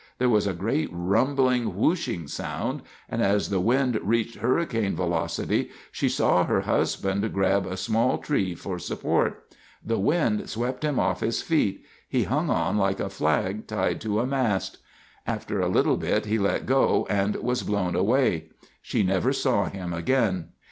There was a great rumbling, whooshing sound, and as the wind reached hurricane velocity she saw her husband grab a small tree for support. The wind swept him off his feet—he hung on like a flag tied to a mast. After a little bit he let go and was blown away. She never saw him again.